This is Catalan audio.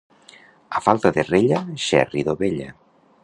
A falta de rella, xerri d'ovella.